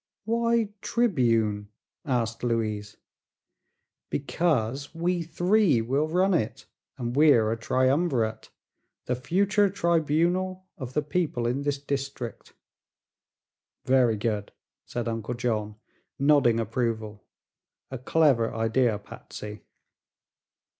"Why 'Tribune?'" asked Louise. "Because we three will run it, and we're a triumvirate the future tribunal of the people in this district." "Very good!" said Uncle John, nodding approval. "A clever idea, Patsy."